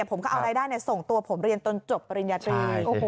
ผมก็เอารายได้ส่งตัวผมเรียนจนจบปริญญาตรี